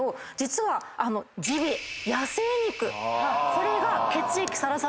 これが。